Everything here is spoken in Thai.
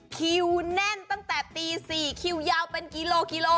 คิวแน่นตั้งแต่ตี๔คิวยาวเป็นกิโลกิโล